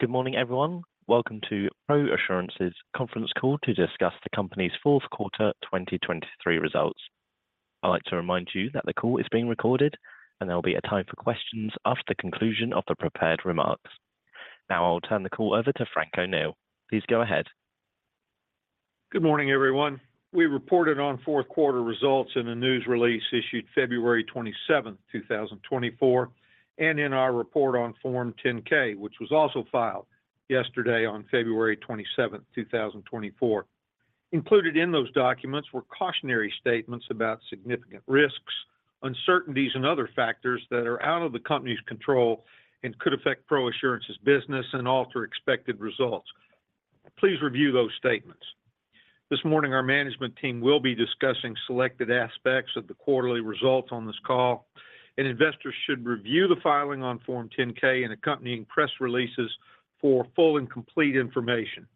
Good morning, everyone. Welcome to ProAssurance's conference call to discuss the company's fourth quarter 2023 results. I'd like to remind you that the call is being recorded, and there will be a time for questions after the conclusion of the prepared remarks. Now I'll turn the call over to Frank O'Neil. Please go ahead. Good morning, everyone. We reported on fourth quarter results in a news release issued February 27, 2024, and in our report on Form 10-K, which was also filed yesterday on February 27, 2024. Included in those documents were cautionary statements about significant risks, uncertainties, and other factors that are out of the company's control and could affect ProAssurance's business and alter expected results. Please review those statements. This morning, our management team will be discussing selected aspects of the quarterly results on this call, and investors should review the filing on Form 10-K and accompanying press releases for full and complete information.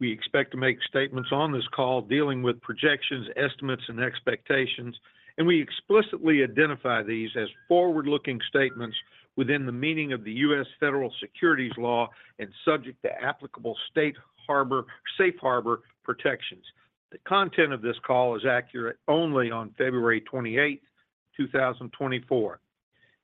We expect to make statements on this call dealing with projections, estimates, and expectations, and we explicitly identify these as forward-looking statements within the meaning of the U.S. Federal Securities Law and subject to applicable state safe harbor protections. The content of this call is accurate only on February 28, 2024.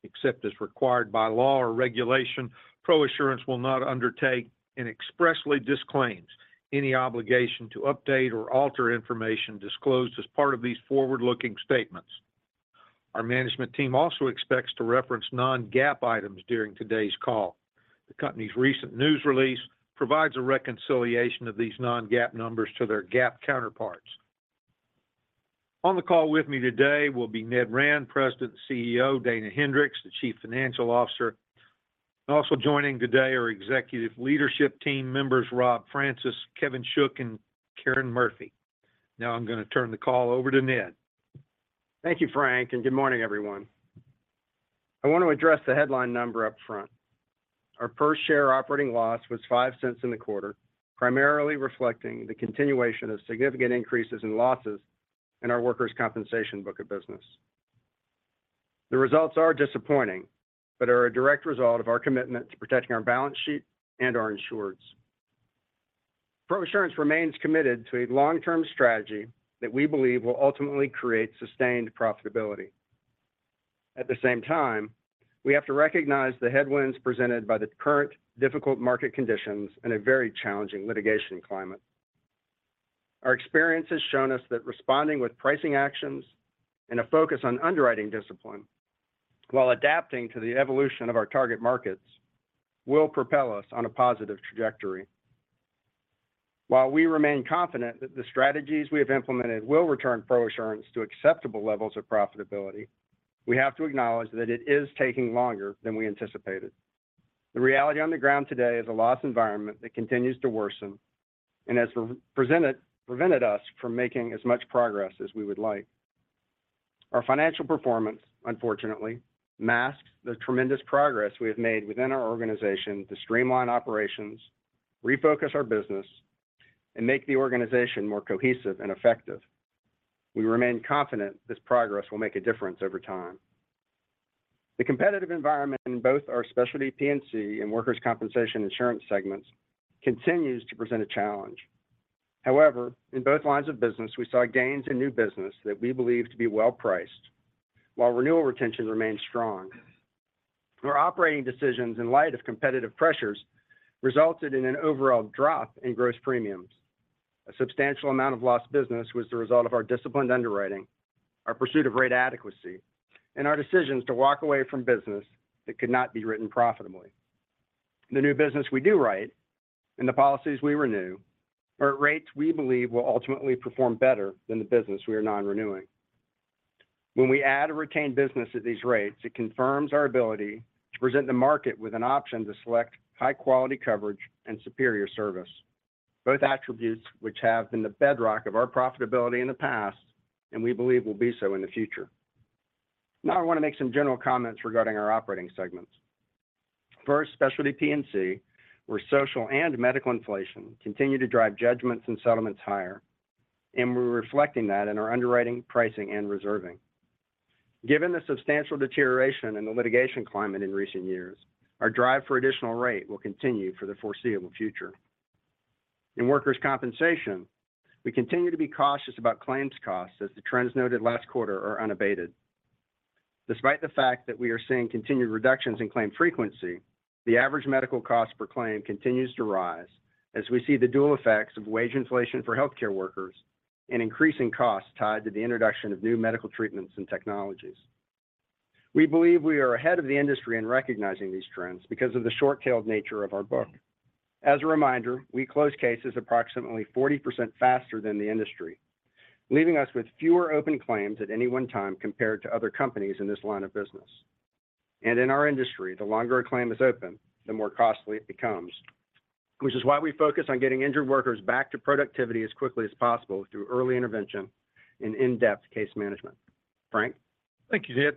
Except as required by law or regulation, ProAssurance will not undertake and expressly disclaims any obligation to update or alter information disclosed as part of these forward-looking statements. Our management team also expects to reference non-GAAP items during today's call. The company's recent news release provides a reconciliation of these non-GAAP numbers to their GAAP counterparts. On the call with me today will be Ned Rand, President and CEO, Dana Hendricks, the Chief Financial Officer. Also joining today are Executive Leadership Team members Rob Francis, Kevin Shook, and Karen Murphy. Now I'm going to turn the call over to Ned. Thank you, Frank, and good morning, everyone. I want to address the headline number up front. Our per-share operating loss was $0.05 in the quarter, primarily reflecting the continuation of significant increases in losses in our workers' compensation book of business. The results are disappointing but are a direct result of our commitment to protecting our balance sheet and our insureds. ProAssurance remains committed to a long-term strategy that we believe will ultimately create sustained profitability. At the same time, we have to recognize the headwinds presented by the current difficult market conditions and a very challenging litigation climate. Our experience has shown us that responding with pricing actions and a focus on underwriting discipline, while adapting to the evolution of our target markets, will propel us on a positive trajectory. While we remain confident that the strategies we have implemented will return ProAssurance to acceptable levels of profitability, we have to acknowledge that it is taking longer than we anticipated. The reality on the ground today is a loss environment that continues to worsen and has prevented us from making as much progress as we would like. Our financial performance, unfortunately, masks the tremendous progress we have made within our organization to streamline operations, refocus our business, and make the organization more cohesive and effective. We remain confident this progress will make a difference over time. The competitive environment in both our specialty P&C and workers' compensation insurance segments continues to present a challenge. However, in both lines of business, we saw gains in new business that we believe to be well-priced, while renewal retention remained strong. Our operating decisions in light of competitive pressures resulted in an overall drop in gross premiums. A substantial amount of lost business was the result of our disciplined underwriting, our pursuit of rate adequacy, and our decisions to walk away from business that could not be written profitably. The new business we do write and the policies we renew are at rates we believe will ultimately perform better than the business we are non-renewing. When we add or retain business at these rates, it confirms our ability to present the market with an option to select high-quality coverage and superior service, both attributes which have been the bedrock of our profitability in the past and we believe will be so in the future. Now I want to make some general comments regarding our operating segments. First, Specialty P&C, where social and medical inflation continue to drive judgments and settlements higher, and we're reflecting that in our underwriting, pricing, and reserving. Given the substantial deterioration in the litigation climate in recent years, our drive for additional rate will continue for the foreseeable future. In workers' compensation, we continue to be cautious about claims costs as the trends noted last quarter are unabated. Despite the fact that we are seeing continued reductions in claim frequency, the average medical cost per claim continues to rise as we see the dual effects of wage inflation for healthcare workers and increasing costs tied to the introduction of new medical treatments and technologies. We believe we are ahead of the industry in recognizing these trends because of the short-tailed nature of our book. As a reminder, we close cases approximately 40% faster than the industry, leaving us with fewer open claims at any one time compared to other companies in this line of business. In our industry, the longer a claim is open, the more costly it becomes, which is why we focus on getting injured workers back to productivity as quickly as possible through early intervention and in-depth case management. Frank? Thank you, Ned.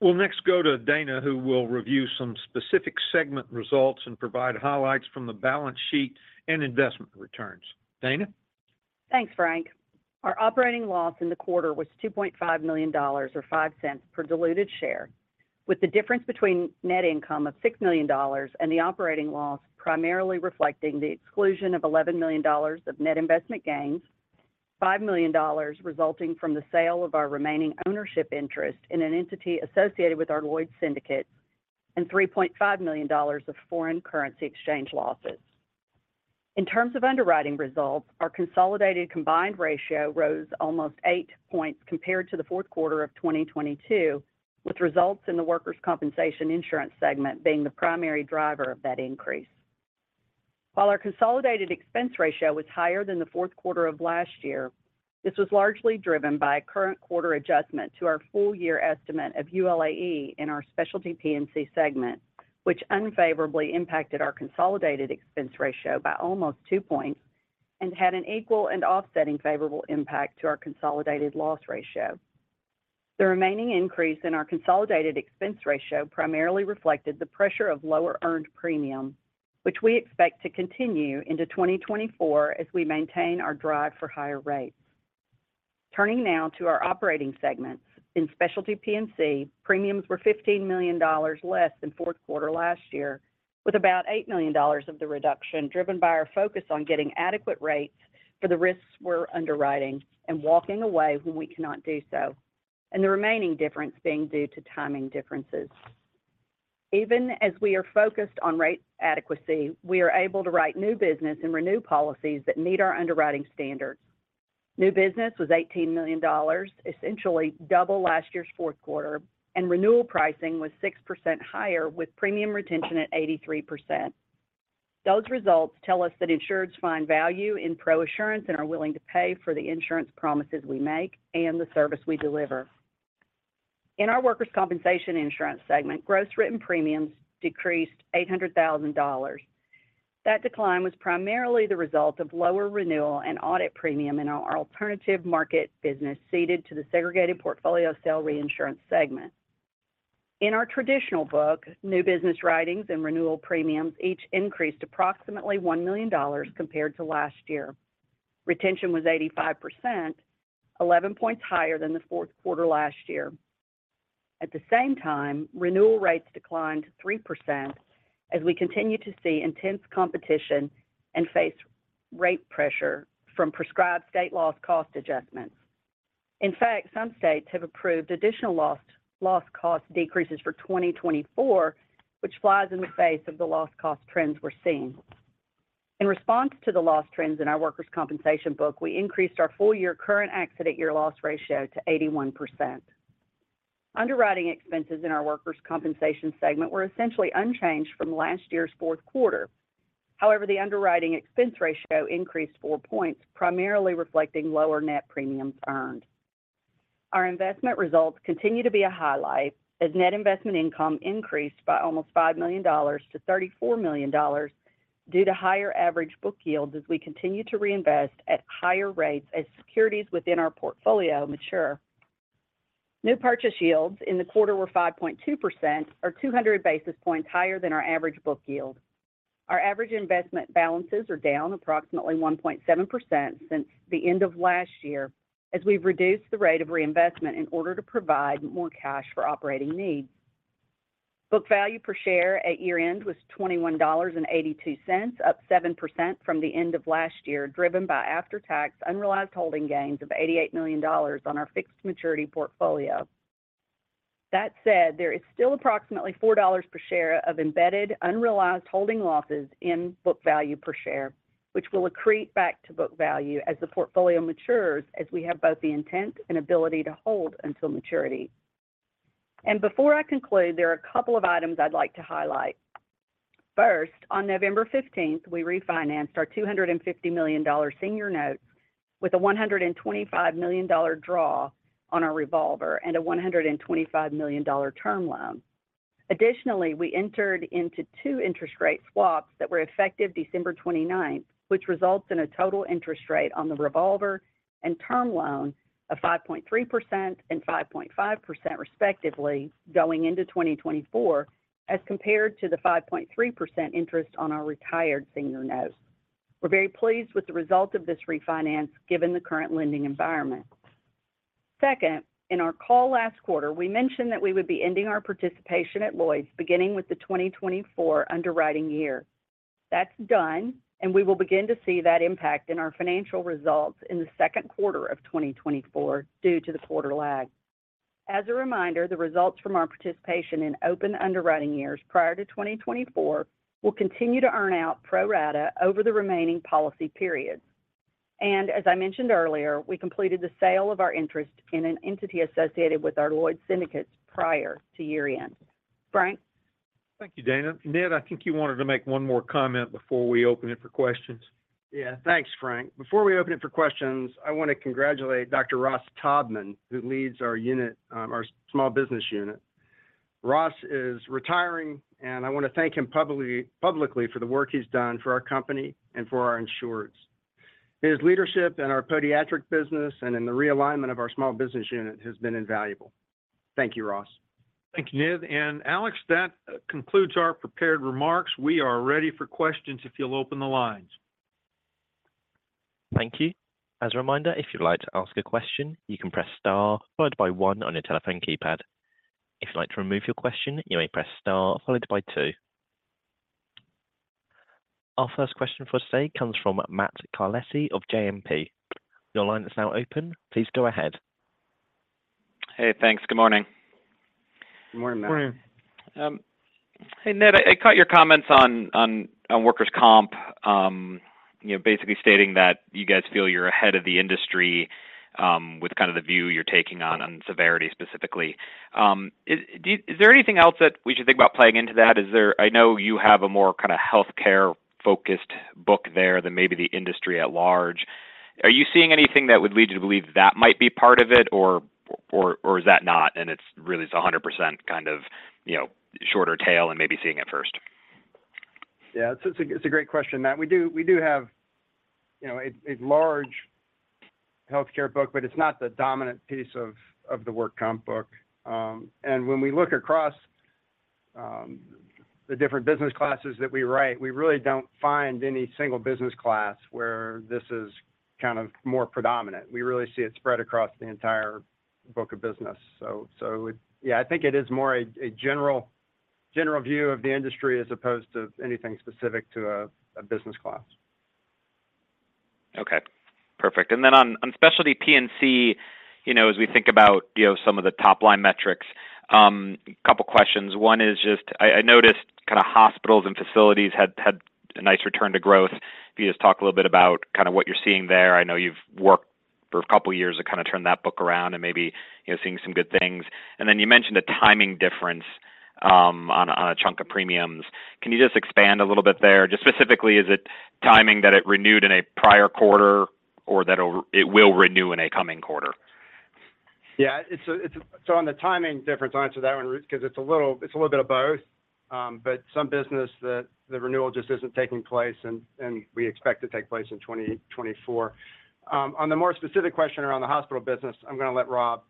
We'll next go to Dana, who will review some specific segment results and provide highlights from the balance sheet and investment returns. Dana? Thanks, Frank. Our operating loss in the quarter was $2.5 million or $0.05 per diluted share, with the difference between net income of $6 million and the operating loss primarily reflecting the exclusion of $11 million of net investment gains, $5 million resulting from the sale of our remaining ownership interest in an entity associated with our Lloyd's syndicate, and $3.5 million of foreign currency exchange losses. In terms of underwriting results, our consolidated combined ratio rose almost eight points compared to the fourth quarter of 2022, with results in the workers' compensation insurance segment being the primary driver of that increase. While our consolidated expense ratio was higher than the fourth quarter of last year, this was largely driven by a current quarter adjustment to our full-year estimate of ULAE in our Specialty P&C segment, which unfavorably impacted our consolidated expense ratio by almost two points and had an equal and offsetting favorable impact to our consolidated loss ratio. The remaining increase in our consolidated expense ratio primarily reflected the pressure of lower earned premium, which we expect to continue into 2024 as we maintain our drive for higher rates. Turning now to our operating segments. In Specialty P&C, premiums were $15 million less than fourth quarter last year, with about $8 million of the reduction driven by our focus on getting adequate rates for the risks we're underwriting and walking away when we cannot do so, and the remaining difference being due to timing differences. Even as we are focused on rate adequacy, we are able to write new business and renew policies that meet our underwriting standards. New business was $18 million, essentially double last year's fourth quarter, and renewal pricing was 6% higher, with premium retention at 83%. Those results tell us that insureds find value in ProAssurance and are willing to pay for the insurance promises we make and the service we deliver. In our workers' compensation insurance segment, gross written premiums decreased $800,000. That decline was primarily the result of lower renewal and audit premium in our alternative market business ceded to the segregated portfolio cell reinsurance segment. In our traditional book, new business writings and renewal premiums each increased approximately $1 million compared to last year. Retention was 85%, 11 points higher than the fourth quarter last year. At the same time, renewal rates declined 3% as we continue to see intense competition and face rate pressure from prescribed state loss cost adjustments. In fact, some states have approved additional loss cost decreases for 2024, which flies in the face of the loss cost trends we're seeing. In response to the loss trends in our workers' compensation book, we increased our full-year current accident year loss ratio to 81%. Underwriting expenses in our workers' compensation segment were essentially unchanged from last year's fourth quarter. However, the underwriting expense ratio increased 4 points, primarily reflecting lower net premiums earned. Our investment results continue to be a highlight as net investment income increased by almost $5 million to $34 million due to higher average book yields as we continue to reinvest at higher rates as securities within our portfolio mature. New purchase yields in the quarter were 5.2%, or 200 basis points higher than our average book yield. Our average investment balances are down approximately 1.7% since the end of last year as we've reduced the rate of reinvestment in order to provide more cash for operating needs. Book value per share at year-end was $21.82, up 7% from the end of last year, driven by after-tax unrealized holding gains of $88 million on our fixed maturity portfolio. That said, there is still approximately $4 per share of embedded unrealized holding losses in book value per share, which will accrete back to book value as the portfolio matures, as we have both the intent and ability to hold until maturity. Before I conclude, there are a couple of items I'd like to highlight. First, on November 15th, we refinanced our $250 million senior notes with a $125 million draw on our revolver and a $125 million term loan. Additionally, we entered into two interest rate swaps that were effective December 29th, which results in a total interest rate on the revolver and term loan of 5.3% and 5.5% respectively going into 2024 as compared to the 5.3% interest on our retired senior notes. We're very pleased with the result of this refinance given the current lending environment. Second, in our call last quarter, we mentioned that we would be ending our participation at Lloyd's beginning with the 2024 underwriting year. That's done, and we will begin to see that impact in our financial results in the second quarter of 2024 due to the quarter lag. As a reminder, the results from our participation in open underwriting years prior to 2024 will continue to earn out pro rata over the remaining policy periods. As I mentioned earlier, we completed the sale of our interest in an entity associated with our Lloyd's syndicates prior to year-end. Frank? Thank you, Dana. Ned, I think you wanted to make one more comment before we open it for questions. Yeah, thanks, Frank. Before we open it for questions, I want to congratulate Dr. Ross Taubman, who leads our unit, our small business unit. Ross is retiring, and I want to thank him publicly for the work he's done for our company and for our insureds. His leadership in our podiatric business and in the realignment of our small business unit has been invaluable. Thank you, Ross. Thank you, Ned. Alex, that concludes our prepared remarks. We are ready for questions if you'll open the lines. Thank you. As a reminder, if you'd like to ask a question, you can press star followed by 1 on your telephone keypad. If you'd like to remove your question, you may press star followed by 2. Our first question for today comes from Matt Carletti of JMP. Your line is now open. Please go ahead. Hey, thanks. Good morning. Good morning, Matt. Good morning. Hey, Ned, I caught your comments on workers' comp, basically stating that you guys feel you're ahead of the industry with kind of the view you're taking on severity specifically. Is there anything else that we should think about playing into that? I know you have a more kind of healthcare-focused book there than maybe the industry at large. Are you seeing anything that would lead you to believe that might be part of it, or is that not, and it's really 100% kind of shorter tail and maybe seeing it first? Yeah, it's a great question, Matt. We do have a large healthcare book, but it's not the dominant piece of the work comp book. And when we look across the different business classes that we write, we really don't find any single business class where this is kind of more predominant. We really see it spread across the entire book of business. So yeah, I think it is more a general view of the industry as opposed to anything specific to a business class. Okay. Perfect. And then on Specialty P&C, as we think about some of the top-line metrics, a couple of questions. One is just I noticed kind of hospitals and facilities had a nice return to growth. If you could just talk a little bit about kind of what you're seeing there. I know you've worked for a couple of years to kind of turn that book around and maybe seeing some good things. And then you mentioned a timing difference on a chunk of premiums. Can you just expand a little bit there? Just specifically, is it timing that it renewed in a prior quarter or that it will renew in a coming quarter? Yeah. So on the timing difference, I'll answer that one because it's a little bit of both. But some business, the renewal just isn't taking place, and we expect it to take place in 2024. On the more specific question around the hospital business, I'm going to let Rob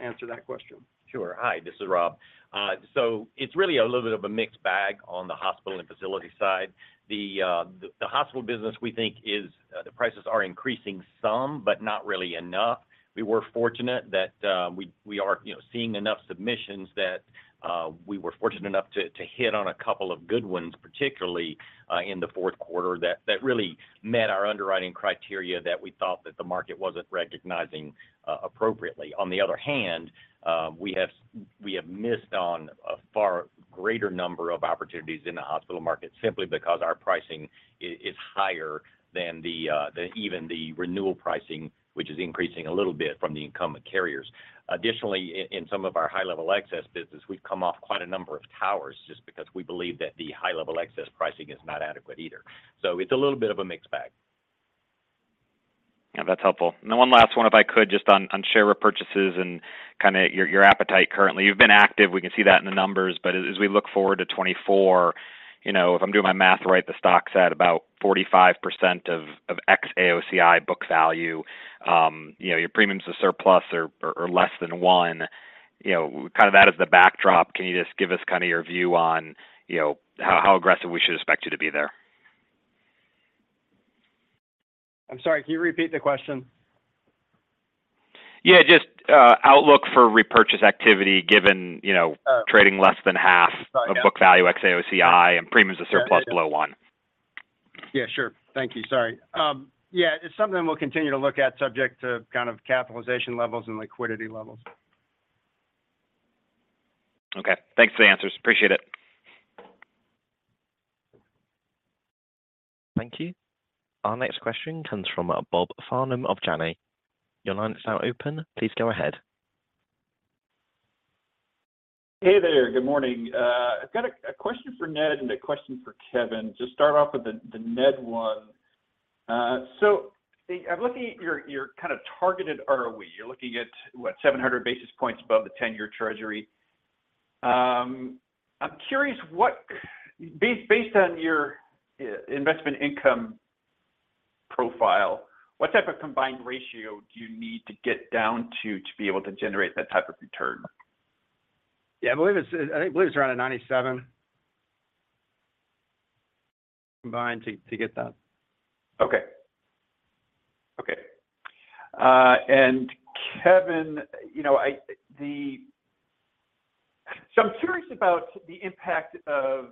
answer that question. Sure. Hi, this is Rob. So it's really a little bit of a mixed bag on the hospital and facility side. The hospital business, we think the prices are increasing some, but not really enough. We were fortunate that we are seeing enough submissions that we were fortunate enough to hit on a couple of good ones, particularly in the fourth quarter, that really met our underwriting criteria that we thought that the market wasn't recognizing appropriately. On the other hand, we have missed on a far greater number of opportunities in the hospital market simply because our pricing is higher than even the renewal pricing, which is increasing a little bit from the incumbent carriers. Additionally, in some of our high-level excess business, we've come off quite a number of towers just because we believe that the high-level excess pricing is not adequate either. It's a little bit of a mixed bag. Yeah, that's helpful. And then one last one, if I could, just on share repurchases and kind of your appetite currently. You've been active. We can see that in the numbers. But as we look forward to 2024, if I'm doing my math right, the stock's at about 45% of ex-AOCI book value. Your premiums are surplus or less than 1. Kind of that as the backdrop, can you just give us kind of your view on how aggressive we should expect you to be there? I'm sorry. Can you repeat the question? Yeah, just outlook for repurchase activity given trading less than half of book value ex-AOCI and premiums to surplus below 1. Yeah, sure. Thank you. Sorry. Yeah, it's something we'll continue to look at subject to kind of capitalization levels and liquidity levels. Okay. Thanks for the answers. Appreciate it. Thank you. Our next question comes from Bob Farnam of Janney. Your line is now open. Please go ahead. Hey there. Good morning. I've got a question for Ned and a question for Kevin. Just start off with the Ned one. So I'm looking at your kind of targeted ROE. You're looking at, what, 700 basis points above the 10-year Treasury. I'm curious, based on your investment income profile, what type of combined ratio do you need to get down to to be able to generate that type of return? Yeah, I believe it's around a 97 combined to get that. Okay. Okay. And Kevin, so I'm curious about the impact of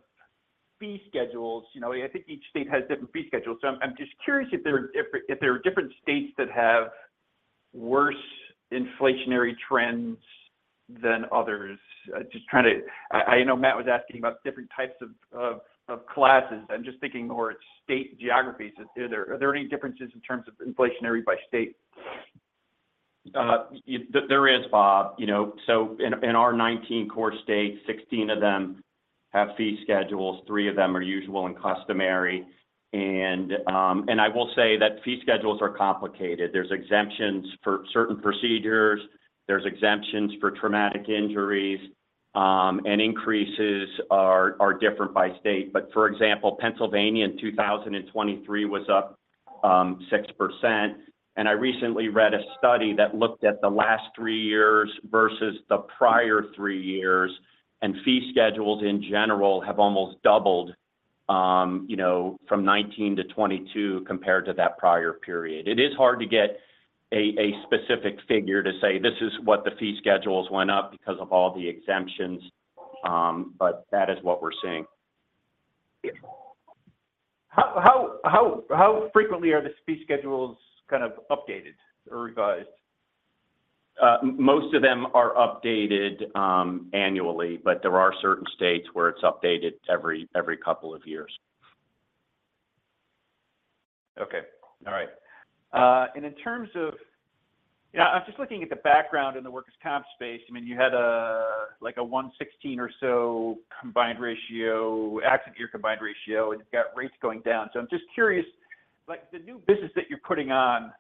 fee schedules. I think each state has different fee schedules. So I'm just curious if there are different states that have worse inflationary trends than others. I know Matt was asking about different types of classes. I'm just thinking more at state geographies. Are there any differences in terms of inflationary by state? There is, Bob. So in our 19 core states, 16 of them have fee schedules. 3 of them are usual and customary. And I will say that fee schedules are complicated. There's exemptions for certain procedures. There's exemptions for traumatic injuries. And increases are different by state. But for example, Pennsylvania in 2023 was up 6%. And I recently read a study that looked at the last 3 years versus the prior 3 years. And fee schedules, in general, have almost doubled from 2019 to 2022 compared to that prior period. It is hard to get a specific figure to say, "This is what the fee schedules went up because of all the exemptions." But that is what we're seeing. How frequently are the fee schedules kind of updated or revised? Most of them are updated annually, but there are certain states where it's updated every couple of years. Okay. All right. And in terms of yeah, I'm just looking at the background in the workers' comp space. I mean, you had a 116 or so combined ratio, accident year combined ratio, and you've got rates going down. So I'm just curious, the new business that you're putting on,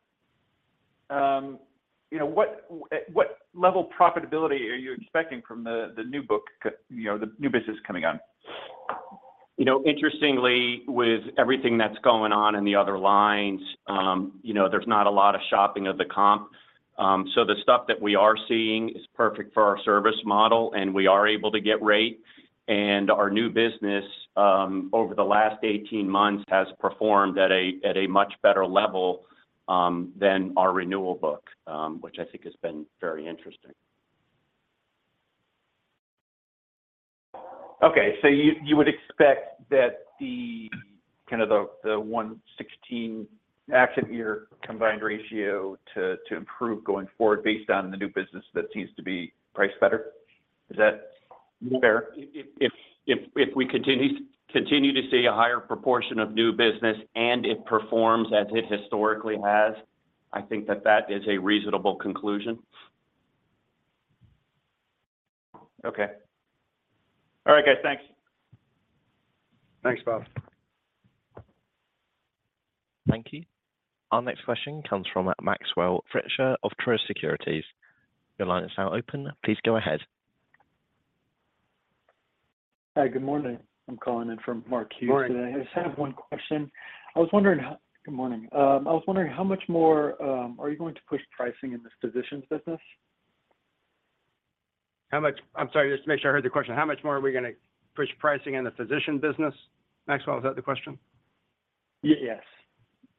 what level profitability are you expecting from the new book, the new business coming on? Interestingly, with everything that's going on in the other lines, there's not a lot of shopping of the comp. So the stuff that we are seeing is perfect for our service model, and we are able to get rate. And our new business over the last 18 months has performed at a much better level than our renewal book, which I think has been very interesting. Okay. So you would expect that kind of the 116 accident year Combined Ratio to improve going forward based on the new business that seems to be priced better? Is that fair? If we continue to see a higher proportion of new business and it performs as it historically has, I think that that is a reasonable conclusion. Okay. All right, guys. Thanks. Thanks, Bob. Thank you. Our next question comes from Maxwell Fritscher of Truist Securities. Your line is now open. Please go ahead. Hi, good morning. I'm calling in for Mark Hughes today. I just have one question. I was wondering, how much more are you going to push pricing in the physicians business? How much? I'm sorry. Just to make sure I heard the question. How much more are we going to push pricing in the physician business? Maxwell, is that the question? Yes. Yeah,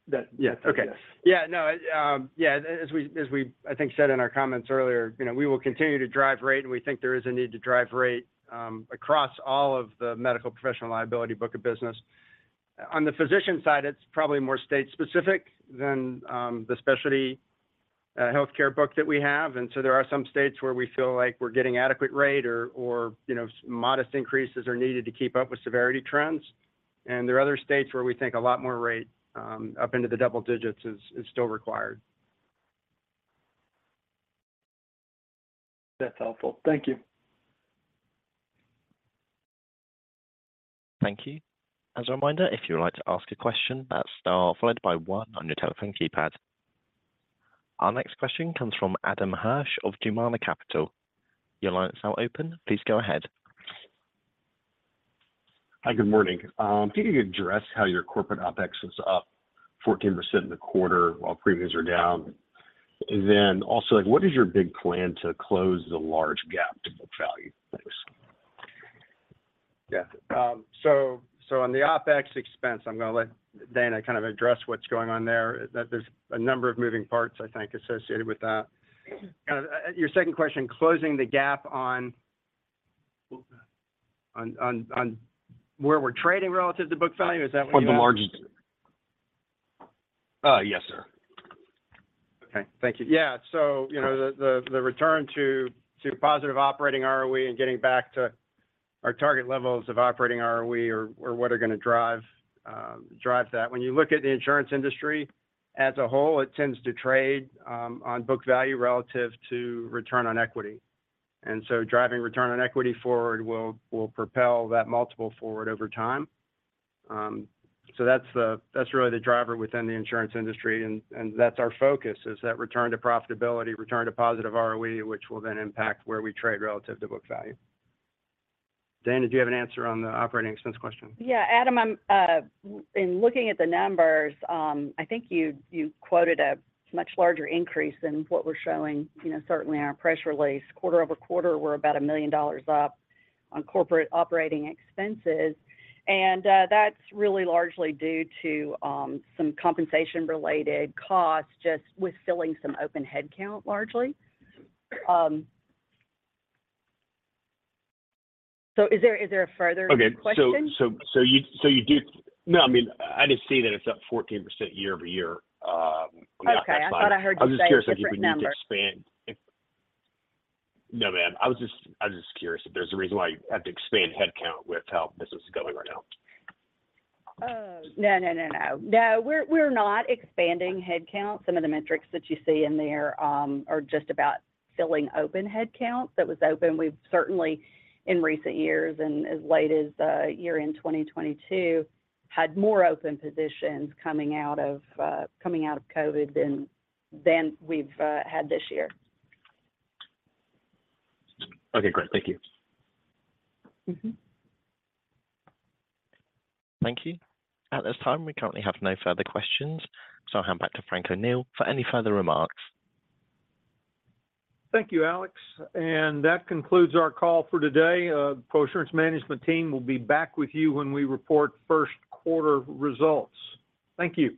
that's it. Yes. Yeah. No, yeah, as we, I think, said in our comments earlier, we will continue to drive rate, and we think there is a need to drive rate across all of the medical professional liability book of business. On the physician side, it's probably more state-specific than the specialty healthcare book that we have. There are some states where we feel like we're getting adequate rate or modest increases are needed to keep up with severity trends. There are other states where we think a lot more rate up into the double digits is still required. That's helpful. Thank you. Thank you. As a reminder, if you would like to ask a question? At star followed by 1 on your telephone keypad. Our next question comes from Adam Hirsch of Jumana Capital. Your line is now open. Please go ahead. Hi, good morning. Can you address how your corporate OpEx is up 14% in the quarter while premiums are down? And then also, what is your big plan to close the large gap to book value? Thanks. Yeah. So on the OpEx expense, I'm going to let Dana kind of address what's going on there. There's a number of moving parts, I think, associated with that. Kind of your second question, closing the gap on where we're trading relative to book value, is that what you mean? On the largest? Yes, sir. Okay. Thank you. Yeah. So the return to positive operating ROE and getting back to our target levels of operating ROE are what are going to drive that. When you look at the insurance industry as a whole, it tends to trade on book value relative to return on equity. And so driving return on equity forward will propel that multiple forward over time. So that's really the driver within the insurance industry. And that's our focus, is that return to profitability, return to positive ROE, which will then impact where we trade relative to book value. Dana, do you have an answer on the operating expense question? Yeah. Adam, in looking at the numbers, I think you quoted a much larger increase than what we're showing, certainly in our press release. Quarter-over-quarter, we're about $1 million up on corporate operating expenses. And that's really largely due to some compensation-related costs just with filling some open headcount, largely. So is there a further question? Okay. So you do no, I mean, I just see that it's up 14% year-over-year. I'm not satisfied. Okay. I thought I heard you say that. I was just curious if we need to expand. No, ma'am. I was just curious if there's a reason why you have to expand headcount with how business is going right now. No, no, no, no. No, we're not expanding headcount. Some of the metrics that you see in there are just about filling open headcount that was open. We've certainly, in recent years and as late as year-end 2022, had more open positions coming out of COVID than we've had this year. Okay. Great. Thank you. Thank you. At this time, we currently have no further questions. I'll hand back to Frank O'Neil for any further remarks. Thank you, Alex. That concludes our call for today. ProAssurance Management team will be back with you when we report first-quarter results. Thank you.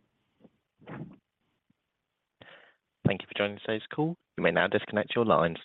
Thank you for joining today's call. You may now disconnect your lines.